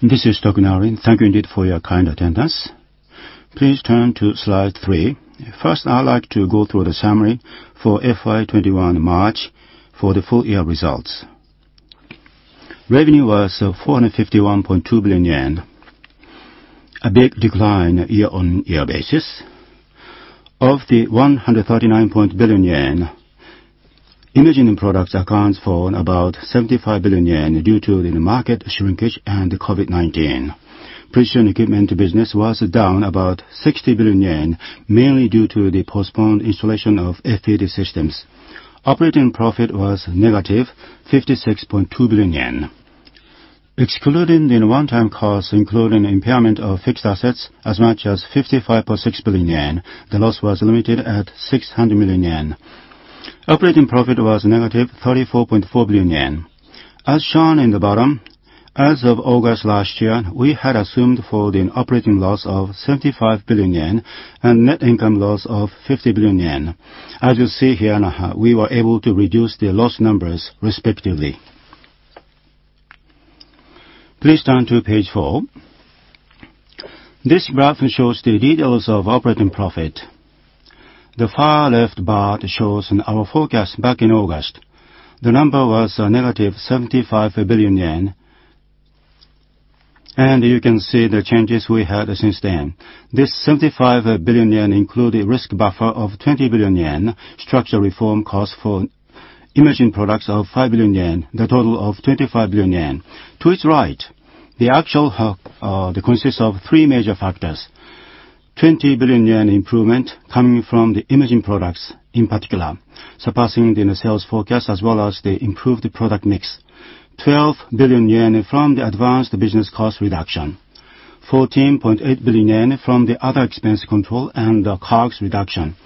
This is Tokunari. Thank you indeed for your kind attendance. Please turn to slide three. First, I'd like to go through the summary for FY 2021 March for the full-year results. Revenue was 451.2 billion yen, a big decline year-on-year basis. Of the 139 billion yen, Imaging Products accounts for about 75 billion yen due to the market shrinkage and COVID-19. Precision Equipment Business was down about 60 billion yen, mainly due to the postponed installation of FPD systems. Operating profit was negative 56.2 billion yen. Excluding the one-time costs, including impairment of fixed assets, as much as 55.6 billion yen, the loss was limited at 600 million yen. Net profit was negative 34.4 billion yen. As shown in the bottom, as of August last year, we had assumed for the operating loss of 75 billion yen and net income loss of 50 billion yen. As you see here, we were able to reduce the loss numbers respectively. Please turn to page four. This graph shows the details of operating profit. The far left bar shows our forecast back in August. The number was negative 75 billion yen, and you can see the changes we had since then. This 75 billion yen included risk buffer of 20 billion yen, structural reform cost for Imaging Products of 5 billion yen, the total of 25 billion yen. To its right, the actual consists of three major factors: 20 billion yen improvement coming from the Imaging Products, in particular, surpassing the sales forecast as well as the improved product mix. 12 billion yen from the advanced business cost reduction. 14.8 billion yen from the other expense control and the COGS reduction.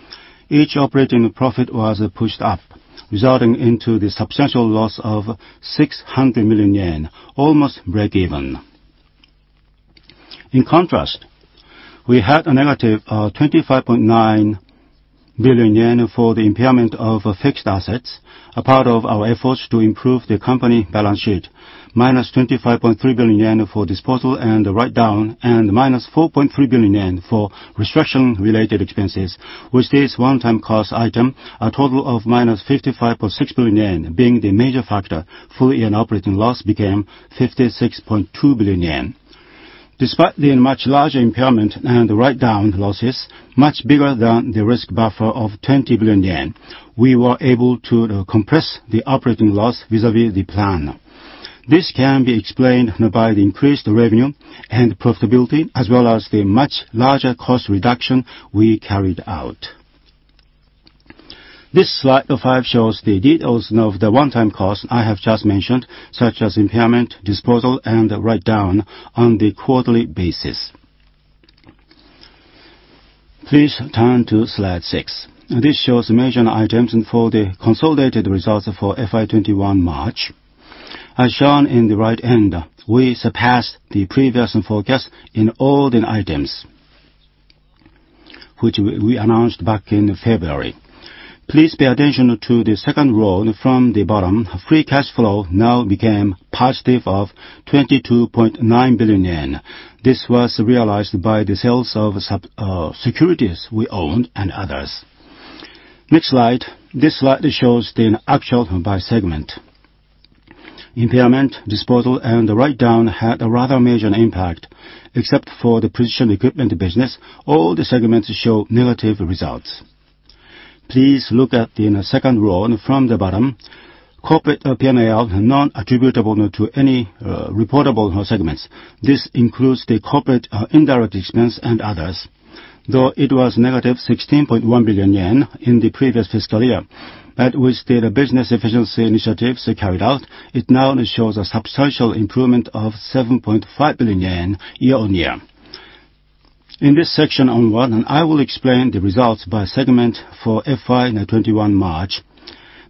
Each operating profit was pushed up, resulting into the substantial loss of 600 million yen, almost breakeven. In contrast, we had a negative of 25.9 billion yen for the impairment of fixed assets, a part of our efforts to improve the company balance sheet, minus 25.3 billion yen for disposal and the write-down, and minus 4.3 billion yen for restructuring related expenses. With this one-time cost item, a total of minus 55.6 billion yen being the major factor, full year operating loss became 56.2 billion yen. Despite the much larger impairment and the write-down losses, much bigger than the risk buffer of 20 billion yen, we were able to compress the operating loss vis-a-vis the plan. This can be explained by the increased revenue and profitability, as well as the much larger cost reduction we carried out. This slide five shows the details of the one-time cost I have just mentioned, such as impairment, disposal, and write-down on the quarterly basis. Please turn to slide six. This shows major items for the consolidated results for FY 2021 March. As shown in the right end, we surpassed the previous forecast in all the items, which we announced back in February. Please pay attention to the second row from the bottom. Free cash flow now became positive of 22.9 billion yen. This was realized by the sales of securities we owned and others. Next slide. This slide shows the actual by segment. Impairment, disposal, and the write-down had a rather major impact. Except for the Precision Equipment Business, all the segments show negative results. Please look at the second row from the bottom. Corporate P&L, non-attributable to any reportable segments. This includes the corporate indirect expense and others. Though it was negative 16.1 billion yen in the previous fiscal year, but with the business efficiency initiatives carried out, it now shows a substantial improvement of 7.5 billion yen year-on-year. In this section onward, I will explain the results by segment for FY 2021 March.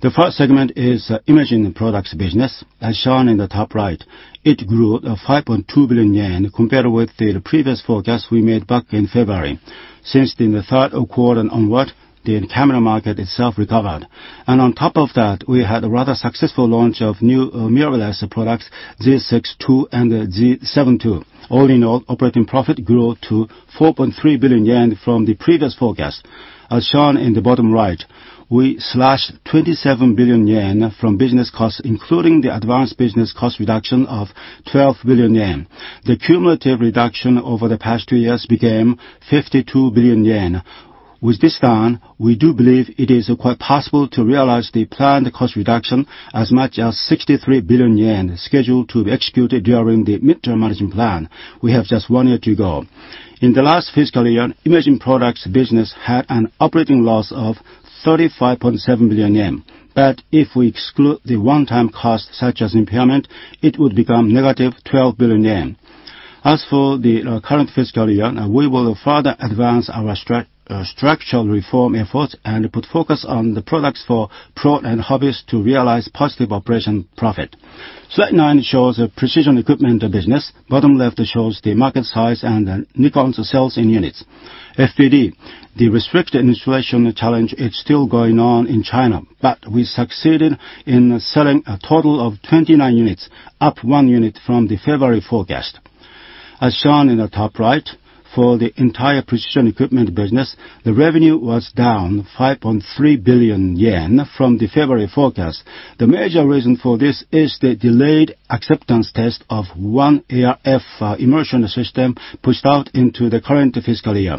The first segment is Imaging Products Business. As shown in the top right, it grew 5.2 billion yen compared with the previous forecast we made back in February. Since the third quarter onward, the camera market itself recovered. On top of that, we had a rather successful launch of new mirrorless products, Z 6II and Z 7II. All in all, operating profit grew to 4.3 billion yen from the previous forecast. As shown in the bottom right, we slashed 27 billion yen from business costs, including the advanced business cost reduction of 12 billion yen. The cumulative reduction over the past two years became 52 billion yen. With this trend, we do believe it is quite possible to realize the planned cost reduction as much as 63 billion yen scheduled to be executed during the mid-term management plan. We have just one year to go. In the last fiscal year, Imaging Products Business had an operating loss of 35.7 billion yen. If we exclude the one-time cost such as impairment, it would become negative 12 billion yen. As for the current fiscal year, we will further advance our structural reform efforts and put focus on the products for pros and hobbyists to realize positive operation profit. Slide nine shows the Precision Equipment Business. Bottom left shows the market size and Nikon's sales in units. FPD, the restricted installation challenge is still going on in China, but we succeeded in selling a total of 29 units, up one unit from the February forecast. As shown in the top right, for the entire Precision Equipment Business, the revenue was down 5.3 billion yen from the February forecast. The major reason for this is the delayed acceptance test of one ArF immersion system pushed out into the current fiscal year.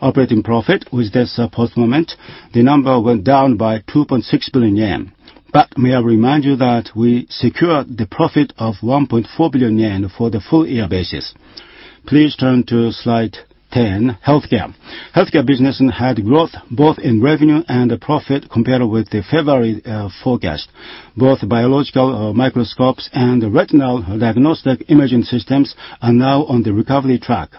Operating profit, with this postponement, the number went down by 2.6 billion yen. May I remind you that we secured the profit of 1.4 billion yen for the full year basis. Please turn to Slide 10, Healthcare. Healthcare business had growth both in revenue and profit compared with the February forecast. Both biological microscopes and retinal diagnostic imaging systems are now on the recovery track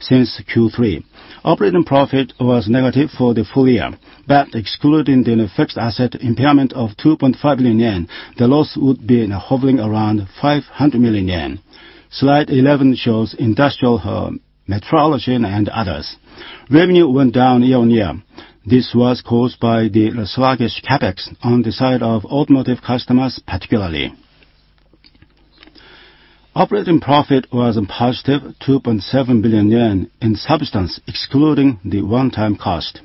since Q3. Operating profit was negative for the full year, but excluding the fixed asset impairment of 2.5 billion yen, the loss would have been hovering around 500 million yen. Slide 11 shows Industrial Metrology and others. Revenue went down year-on-year. This was caused by the sluggish CapEx on the side of automotive customers, particularly. Operating profit was a positive JPY 2.7 billion in substance, excluding the one-time cost.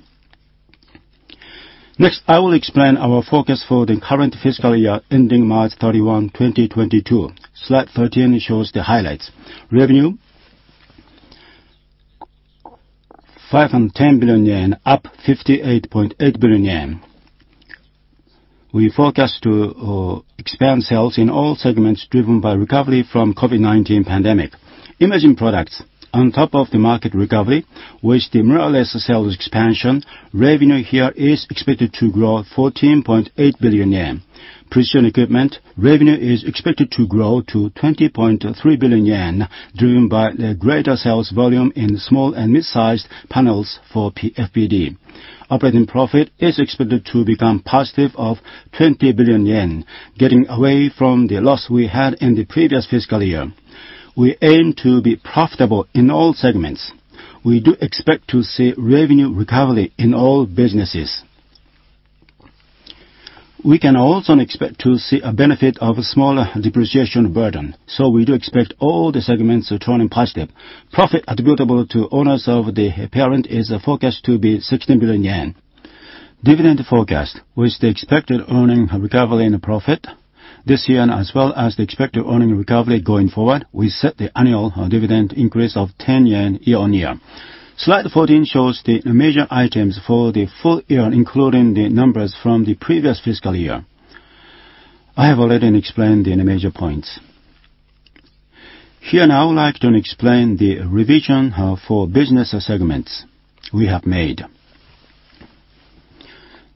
I will explain our forecast for the current fiscal year, ending March 31, 2022. Slide 13 shows the highlights. Revenue, 510 billion yen, up 58.8 billion yen. We forecast to expand sales in all segments driven by recovery from COVID-19 pandemic. Imaging Products. On top of the market recovery with the mirrorless sales expansion, revenue here is expected to grow 14.8 billion yen. Precision Equipment revenue is expected to grow to 20.3 billion yen, driven by the greater sales volume in small and mid-sized panels for FPD. Operating profit is expected to become positive of 20 billion yen, getting away from the loss we had in the previous fiscal year. We aim to be profitable in all segments. We do expect to see revenue recovery in all businesses. We can also expect to see a benefit of a smaller depreciation burden. We do expect all the segments turning positive. Profit attributable to owners of the parent is forecast to be 16 billion yen. Dividend forecast. With the expected earning recovery and profit this year, as well as the expected earning recovery going forward, we set the annual dividend increase of 10 yen year-on-year. Slide 14 shows the major items for the full year, including the numbers from the previous fiscal year. I have already explained the major points. Now I would like to explain the revision for business segments we have made.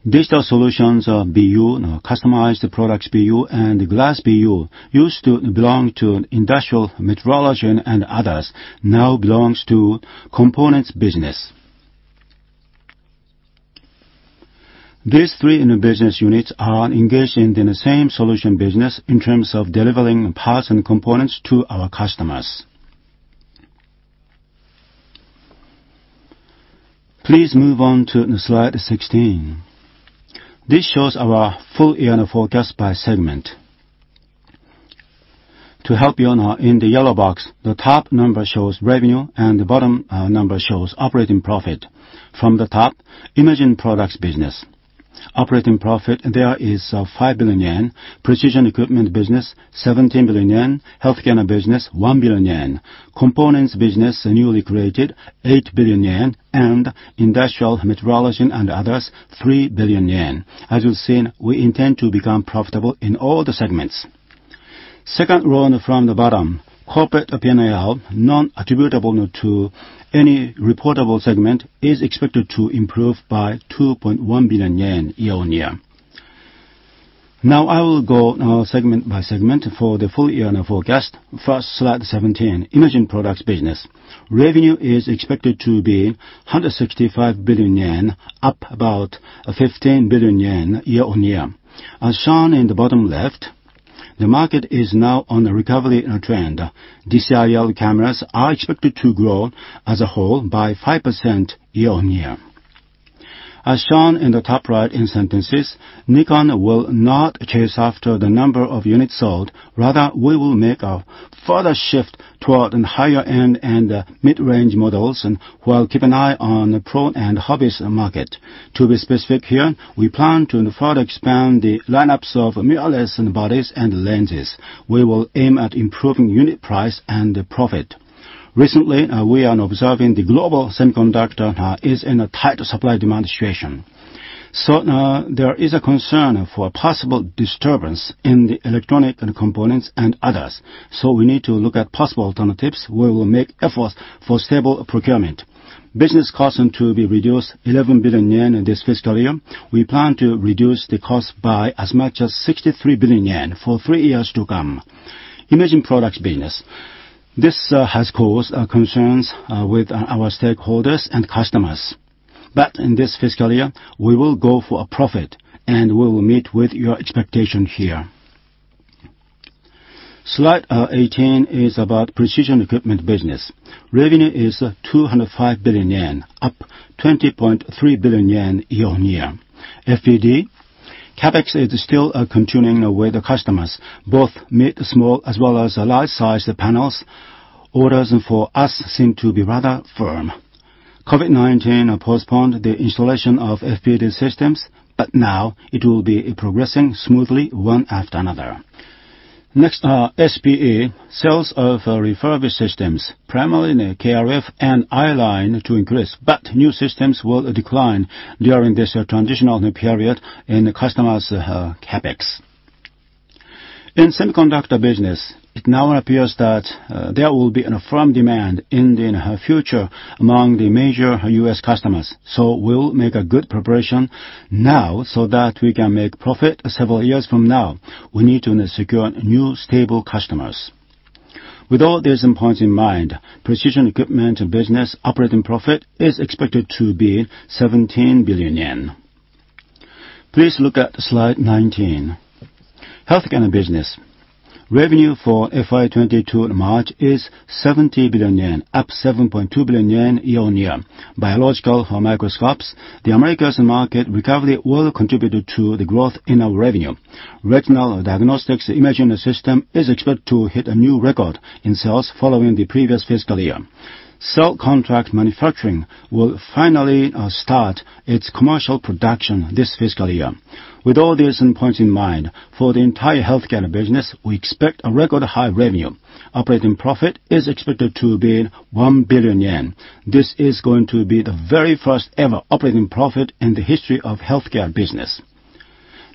Digital Solutions BU, Customized Products BU, and Glass BU used to belong to Industrial Metrology and others, now belongs to Components Business. These three business units are engaged in the same solution business in terms of delivering parts and components to our customers. Please move on to Slide 16. This shows our full year forecast by segment. To help you, in the yellow box, the top number shows revenue, and the bottom number shows operating profit. From the top, Imaging Products Business. Operating profit there is 5 billion yen. Precision Equipment Business, 17 billion yen. Healthcare Business, 1 billion yen. Components Business, newly created, 8 billion yen, and Industrial Metrology and others, 3 billion yen. As you've seen, we intend to become profitable in all the segments. Second row from the bottom, corporate P&L, not attributable to any reportable segment, is expected to improve by 2.1 billion yen year-on-year. I will go segment by segment for the full year forecast. Slide 17, Imaging Products Business. Revenue is expected to be 165 billion yen, up about 15 billion yen year-on-year. As shown in the bottom left, the market is now on a recovery trend. DSLR cameras are expected to grow as a whole by 5% year-over-year. As shown in the top right in essence, Nikon will not chase after the number of units sold. Rather, we will make a further shift toward higher-end and mid-range models, while keeping an eye on the pros and hobbyists market. To be specific here, we plan to further expand the lineups of mirrorless bodies and lenses. We will aim at improving unit price and profit. Recently, we are observing the global semiconductor is in a tight supply-demand situation. There is a concern for a possible disturbance in the electronic components and others. We need to look at possible alternatives. We will make efforts for stable procurement. Business costs are to be reduced 11 billion yen in this fiscal year. We plan to reduce the cost by as much as 63 billion yen for three years to come. Imaging Products Business. This has caused concerns with our stakeholders and customers. In this fiscal year, we will go for a profit, and we will meet with your expectation here. Slide 18 is about Precision Equipment Business. Revenue is 205 billion yen, up 20.3 billion yen year-on-year. FPD, CapEx is still continuing with customers. Both mid, small, as well as large size panels orders for us seem to be rather firm. COVID-19 postponed the installation of FPD systems, but now it will be progressing smoothly, one after another. Next, SPE. Sales of refurbished systems, primarily in KrF and i-line, to increase, but new systems will decline during this transitional period in the customers' CapEx. In semiconductor business, it now appears that there will be a firm demand in the near future among the major U.S. customers. We'll make a good preparation now so that we can make profit several years from now. We need to secure new, stable customers. With all these points in mind, Precision Equipment business operating profit is expected to be 17 billion yen. Please look at slide 19. Healthcare business. Revenue for fiscal year ending March 31, 2022 is 70 billion yen, up 7.2 billion yen year-on-year. Biological microscopes, the Americas market recovery will contribute to the growth in our revenue. Retinal diagnostics imaging system is expected to hit a new record in sales following the previous fiscal year. Cell contract manufacturing will finally start its commercial production this fiscal year. With all these points in mind, for the entire Healthcare business, we expect a record-high revenue. Operating profit is expected to be 1 billion yen. This is going to be the very first ever operating profit in the history of Healthcare.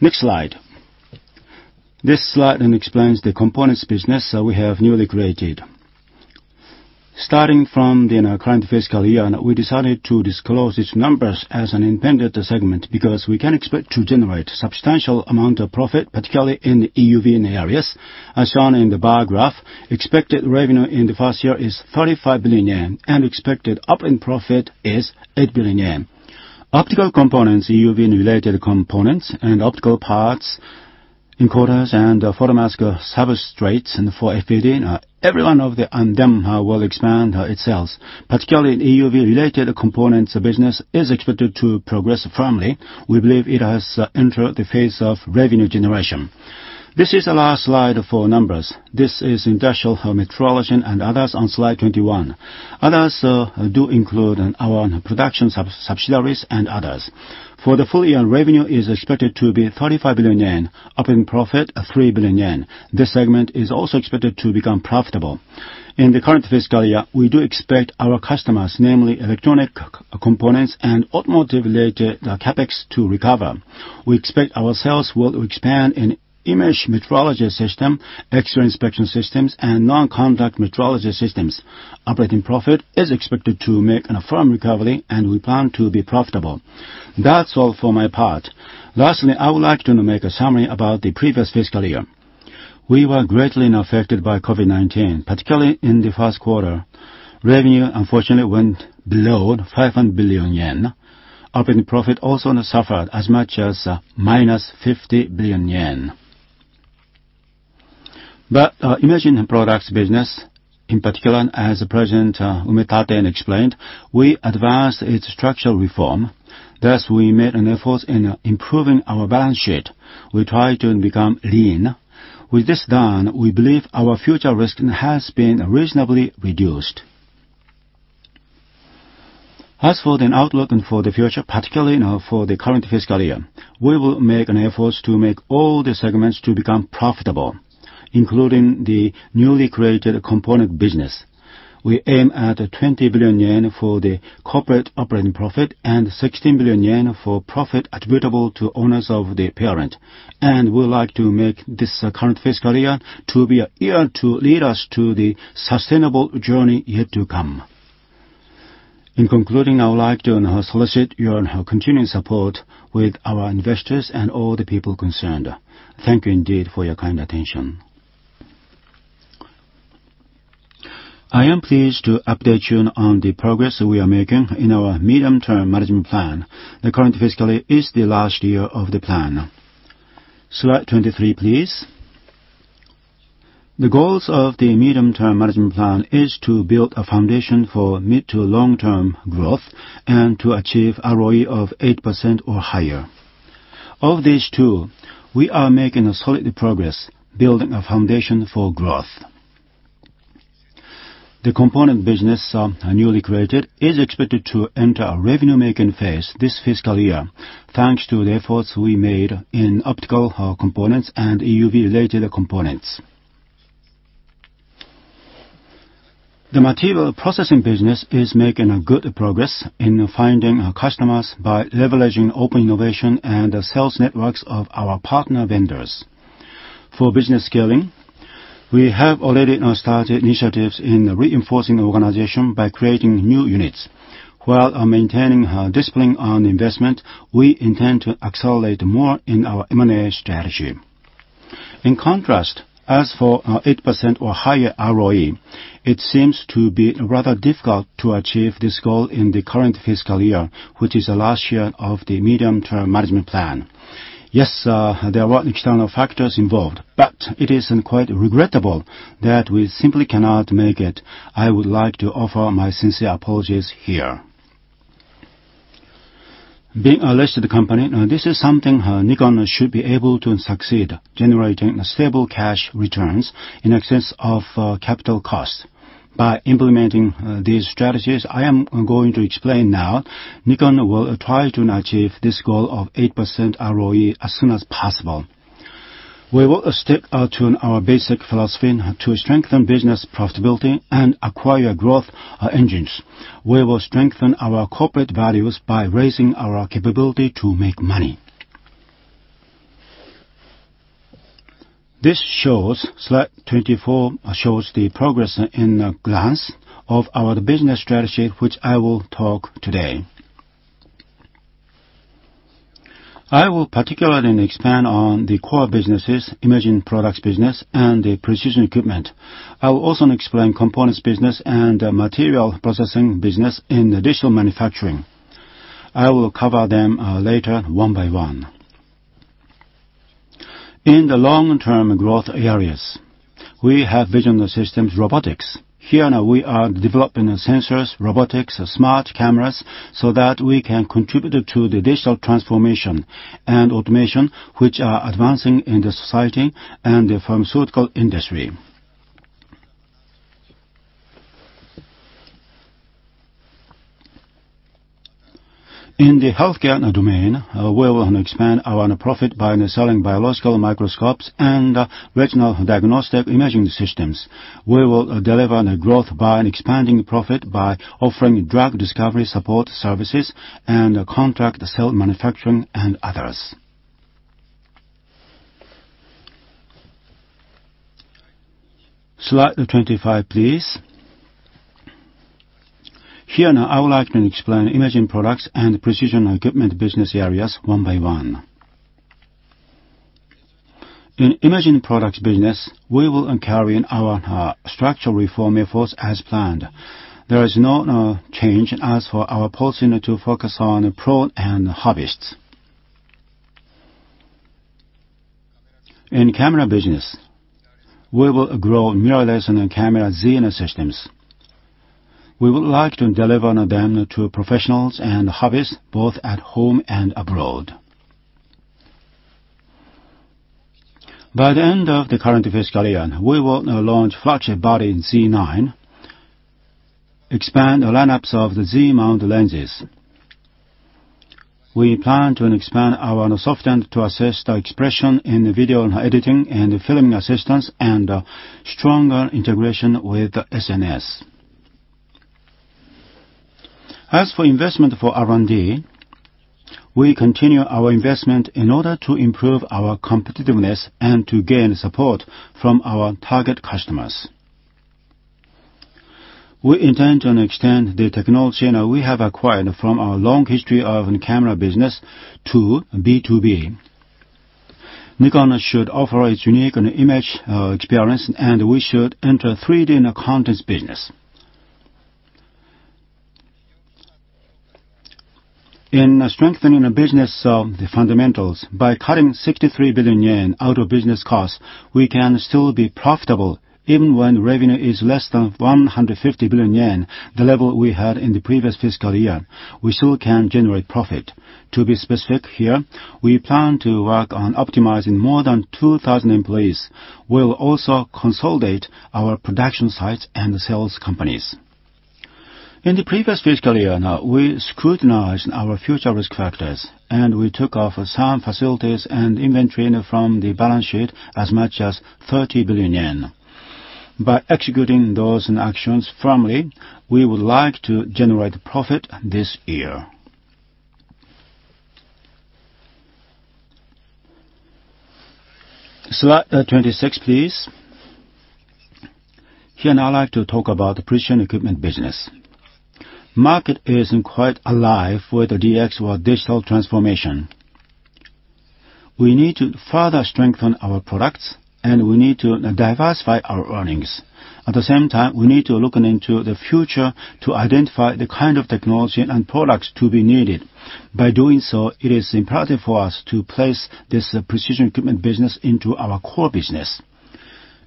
Next slide. This slide explains the Components Business that we have newly created. Starting from the current fiscal year, we decided to disclose its numbers as an independent segment because we can expect to generate substantial amount of profit, particularly in the EUV. As shown in the bar graph, expected revenue in the first year is 35 billion yen, and expected operating profit is 8 billion yen. Optical components, EUV-related components, and optical parts, encoders, and photomask substrates for FPD, every one of them will expand its sales. Particularly, EUV-related Components Business is expected to progress firmly. We believe it has entered the phase of revenue generation. This is the last slide for numbers. This is Industrial Metrology and others on slide 21. Others do include our production subsidiaries and others. For the full year, revenue is expected to be 35 billion yen, operating profit, 3 billion yen. This segment is also expected to become profitable. In the current fiscal year, we do expect our customers, namely electronic components and automotive-related CapEx, to recover. We expect our sales will expand in image metrology system, X-ray inspection systems, and non-contact metrology systems. Operating profit is expected to make a firm recovery, and we plan to be profitable. That's all for my part. Lastly, I would like to make a summary about the previous fiscal year. We were greatly affected by COVID-19, particularly in the first quarter. Revenue, unfortunately, went below 500 billion yen. Operating profit also suffered as much as minus 50 billion yen. Imaging Products Business, in particular, as President Umatate explained, we advanced its structural reform. We made an effort in improving our balance sheet. We tried to become lean. With this done, we believe our future risk has been reasonably reduced. For the outlook for the future, particularly for the current fiscal year, we will make an effort to make all the segments to become profitable, including the newly created Components Business. We aim at 20 billion yen for the corporate operating profit and 16 billion yen for profit attributable to owners of the parent, we would like to make this current fiscal year to be a year to lead us to the sustainable journey yet to come. I would like to solicit your continued support with our investors and all the people concerned. Thank you indeed for your kind attention. I am pleased to update you on the progress we are making in our medium-term management plan. The current fiscal year is the last year of the plan. Slide 23, please. The goals of the medium-term management plan is to build a foundation for mid to long-term growth and to achieve ROE of 8% or higher. Of these two, we are making a solid progress building a foundation for growth. The Components Business, newly created, is expected to enter a revenue-making phase this fiscal year, thanks to the efforts we made in optical components and EUV-related components. The Material Processing Business is making a good progress in finding our customers by leveraging open innovation and the sales networks of our partner vendors. For business scaling, we have already started initiatives in reinforcing the organization by creating new units. While maintaining discipline on investment, we intend to accelerate more in our M&A strategy. In contrast, as for 8% or higher ROE, it seems to be rather difficult to achieve this goal in the current fiscal year, which is the last year of the medium-term management plan. Yes, there were external factors involved, but it is quite regrettable that we simply cannot make it. I would like to offer my sincere apologies here. Being a listed company, this is something Nikon should be able to succeed, generating stable cash returns in excess of capital costs. By implementing these strategies I am going to explain now, Nikon will try to achieve this goal of 8% ROE as soon as possible. We will stick to our basic philosophy to strengthen business profitability and acquire growth engines. We will strengthen our corporate values by raising our capability to make money. This shows, slide 24, shows the progress in a glance of our business strategy, which I will talk today. I will particularly expand on the core businesses, Imaging Products Business and the Precision Equipment. I will also explain Components Business and Material Processing Business in additive manufacturing. I will cover them later one by one. In the long-term growth areas, we have vision systems, robotics. Here, we are developing sensors, robotics, smart cameras, so that we can contribute to the digital transformation and automation which are advancing in the society and the pharmaceutical industry. In the Healthcare domain, we will expand our profit by selling biological microscopes and retinal diagnostic imaging systems. We will deliver growth by expanding profit by offering drug discovery, support services and contract cell manufacturing, and others. Slide 25, please. Now I would like to explain Imaging Products and Precision Equipment business areas one by one. In Imaging Products business, we will carry our structural reform efforts as planned. There is no change as for our policy to focus on pros and hobbyists. In camera business, we will grow mirrorless and Z systems. We would like to deliver them to professionals and hobbyists both at home and abroad. By the end of the current fiscal year, we will launch flagship body Z9, expand the lineups of the Z mount lenses. We plan to expand our software to assist expression in video editing and filming assistance and stronger integration with SNS. As for investment for R&D, we continue our investment in order to improve our competitiveness and to gain support from our target customers. We intend to extend the technology we have acquired from our long history of camera business to B2B. Nikon should offer its unique image experience, we should enter 3D and contents business. In strengthening the business fundamentals, by cutting 63 billion yen out of business costs, we can still be profitable even when revenue is less than 150 billion yen, the level we had in the previous fiscal year. We still can generate profit. To be specific here, we plan to work on optimizing more than 2,000 employees. We'll also consolidate our production sites and sales companies. In the previous fiscal year, we scrutinized our future risk factors, we took off some facilities and inventory from the balance sheet, as much as 30 billion yen. By executing those actions firmly, we would like to generate profit this year. Slide 26, please. Here, I'd like to talk about Precision Equipment business. Market is quite alive with DX or digital transformation. We need to further strengthen our products. We need to diversify our earnings. At the same time, we need to look into the future to identify the kind of technology and products to be needed. By doing so, it is imperative for us to place this Precision Equipment business into our core business.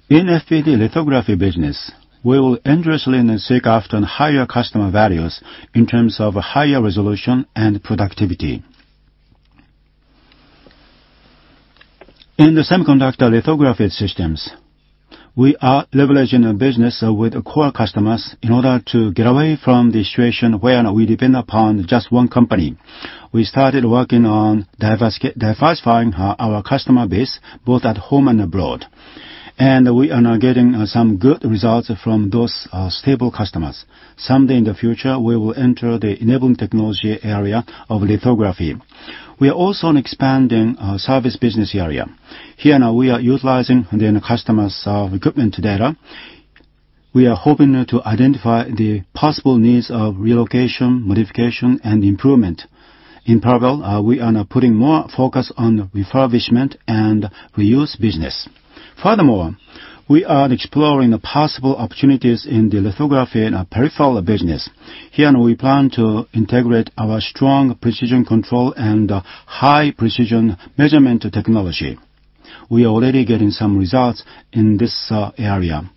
In FPD lithography business, we will endlessly seek after higher customer values in terms of higher resolution and productivity. In the semiconductor lithography systems, we are leveraging a business with core customers in order to get away from the situation where we depend upon just one company. We started working on diversifying our customer base both at home and abroad. We are now getting some good results from those stable customers. Someday in the future, we will enter the enabling technology area of lithography. We are also expanding our service business area. Here, we are utilizing the customer's equipment data. We are hoping to identify the possible needs of relocation, modification, and improvement. In parallel, we are now putting more focus on refurbishment and reuse business. Furthermore, we are exploring possible opportunities in the lithography and peripheral business. Here, we plan to integrate our strong precision control and high-precision measurement technology. We are already getting some results in this area.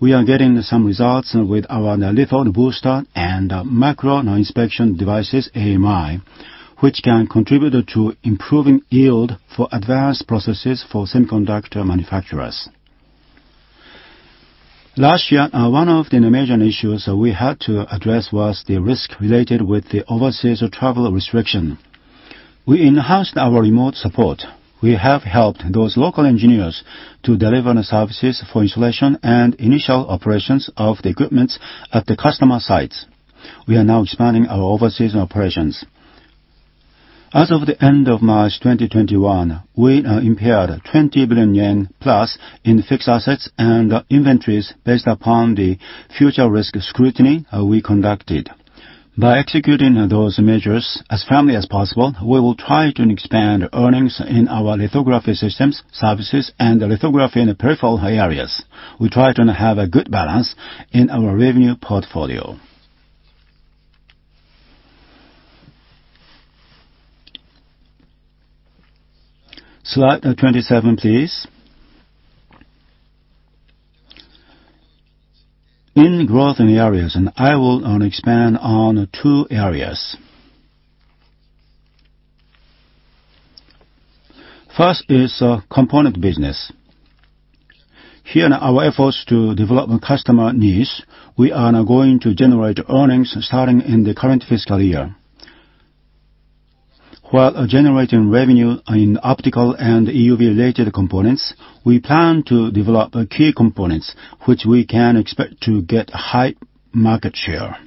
We are getting some results with our Litho Booster and macro inspection devices, AMI, which can contribute to improving yield for advanced processes for semiconductor manufacturers. Last year, one of the major issues we had to address was the risk related with the overseas travel restriction. We enhanced our remote support. We have helped those local engineers to deliver services for installation and initial operations of the equipment at the customer sites. We are now expanding our overseas operations. As of the end of March 2021, we impaired 20 billion yen plus in fixed assets and inventories based upon the future risk scrutiny we conducted. By executing those measures as firmly as possible, we will try to expand earnings in our lithography systems, services, and the lithography in the peripheral areas. We try to have a good balance in our revenue portfolio. Slide 27, please. In growth areas, I will expand on two areas. First is Components Business. Here in our efforts to develop customer needs, we are now going to generate earnings starting in the current fiscal year. While generating revenue in optical and EUV-related components, we plan to develop key components which we can expect to get high market share.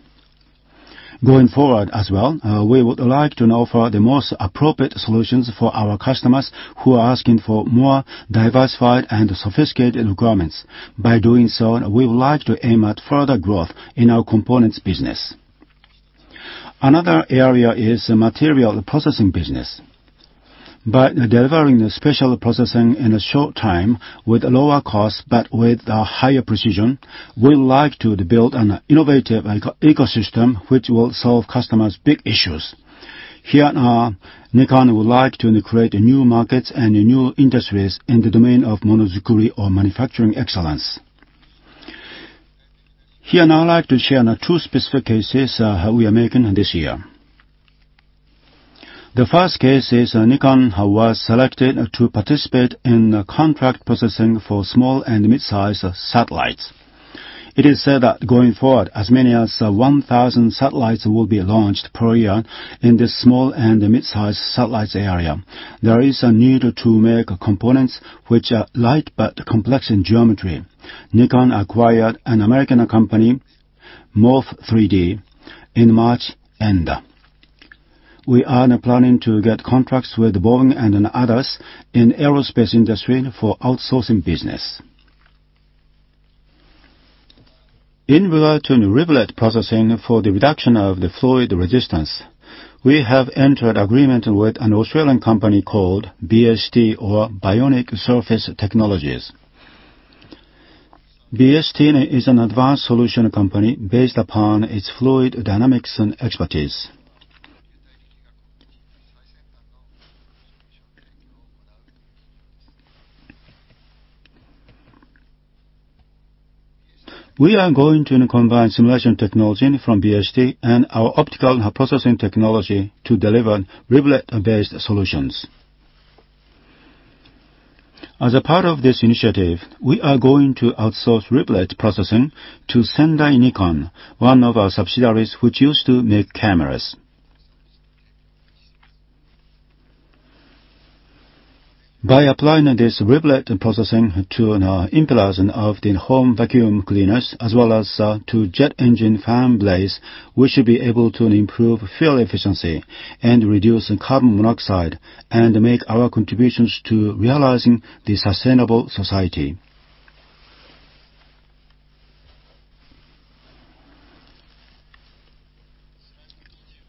Going forward as well, we would like to offer the most appropriate solutions for our customers, who are asking for more diversified and sophisticated requirements. By doing so, we would like to aim at further growth in our Components Business. Another area is the Material Processing Business. By delivering the special processing in a short time with lower cost, but with higher precision, we would like to build an innovative ecosystem which will solve customers' big issues. Here, Nikon would like to create new markets and new industries in the domain of monozukuri or manufacturing excellence. Here, now I'd like to share two specific cases we are making this year. The first case is Nikon was selected to participate in contract processing for small and mid-sized satellites. It is said that going forward, as many as 1,000 satellites will be launched per year in this small and mid-sized satellites area. There is a need to make components which are light but complex in geometry. Nikon acquired an American company, Morf3D, in March. We are now planning to get contracts with Boeing and others in aerospace industry for outsourcing business. In regard to riblet processing for the reduction of the fluid resistance, we have entered agreement with an Australian company called BST or Bionic Surface Technologies. BST is an advanced solution company based upon its fluid dynamics and expertise. We are going to combine simulation technology from BST and our optical processing technology to deliver riblet-based solutions. As a part of this initiative, we are going to outsource riblet processing to Sendai Nikon, one of our subsidiaries, which used to make cameras. By applying this riblet processing to the impellers of the home vacuum cleaners as well as to jet engine fan blades, we should be able to improve fuel efficiency and reduce carbon dioxide and make our contributions to realizing the sustainable society.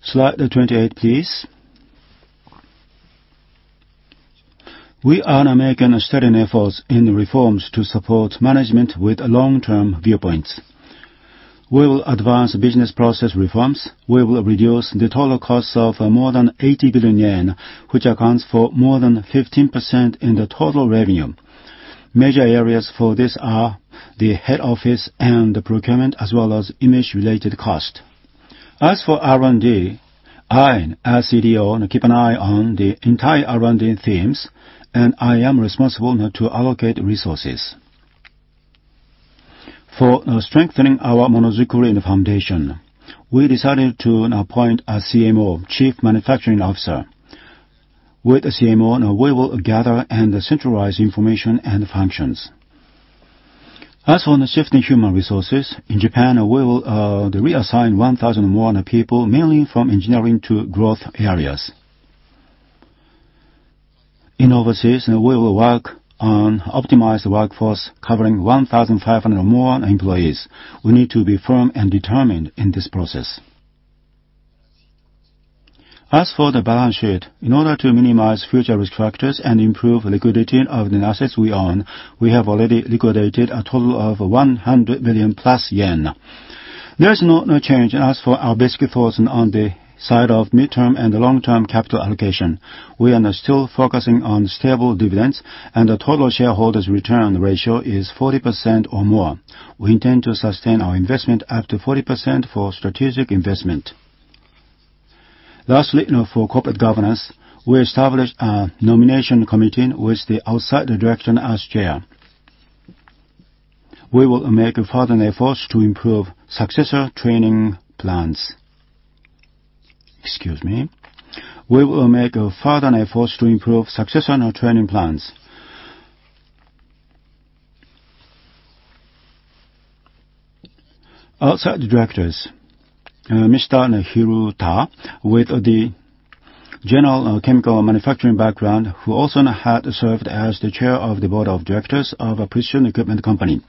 Slide 28, please. We are making steady efforts in the reforms to support management with long-term viewpoints. We will advance business process reforms. We will reduce the total cost of more than 80 billion yen, which accounts for more than 15% in the total revenue. Major areas for this are the head office and the procurement as well as image-related cost. As for R&D, I, as CTO, keep an eye on the entire R&D themes, and I am responsible to allocate resources. For strengthening our monozukuri foundation, we decided to appoint a CMO, chief manufacturing officer. With a CMO, we will gather and centralize information and functions. As for shifting human resources, in Japan, we will reassign 1,000 more people, mainly from engineering to growth areas. In overseas, we will work on optimize the workforce covering 1,500 or more employees. We need to be firm and determined in this process. As for the balance sheet, in order to minimize future restructures and improve liquidity of the assets we own, we have already liquidated a total of 100 billion yen-plus. There's no change as for our basic thoughts on the side of midterm and the long-term capital allocation. We are still focusing on stable dividends, and the total shareholders return ratio is 40% or more. We intend to sustain our investment up to 40% for strategic investment. Lastly, for corporate governance, we established a nomination committee with the outside director as chair. We will make further efforts to improve successor training plans. Excuse me. We will make further efforts to improve successional training plans. Outside directors, Mr. Hirota, with the general chemical manufacturing background, who also had served as the chair of the board of directors of a Precision Equipment company.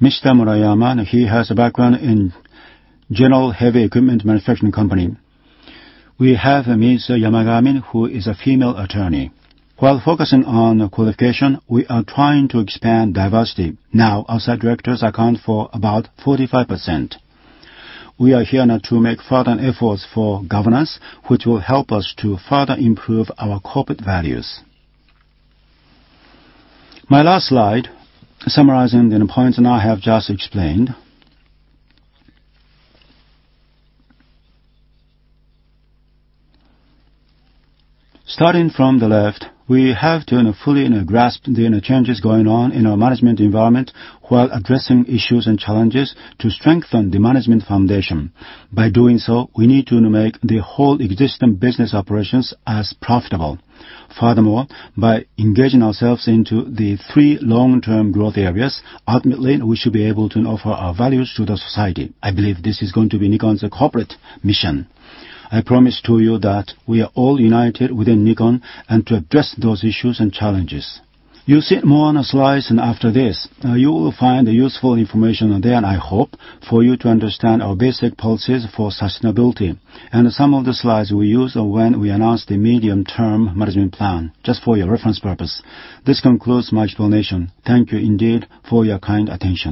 Mr. Murayama, he has a background in general heavy equipment manufacturing company. We have Ms. Yamagami, who is a female attorney. While focusing on qualification, we are trying to expand diversity. Now, outside directors account for about 45%. We are here to make further efforts for governance, which will help us to further improve our corporate values. My last slide, summarizing the points I have just explained. Starting from the left, we have to fully grasp the changes going on in our management environment while addressing issues and challenges to strengthen the management foundation. By doing so, we need to make the whole existing business operations as profitable. By engaging ourselves into the three long-term growth areas, ultimately, we should be able to offer our values to the society. I believe this is going to be Nikon's corporate mission. I promise to you that we are all united within Nikon and to address those issues and challenges. You'll see it more on the slides after this. You will find useful information there, I hope, for you to understand our basic policies for sustainability. Some of the slides we use are when we announced the medium-term management plan, just for your reference purpose. This concludes my explanation. Thank you indeed for your kind attention.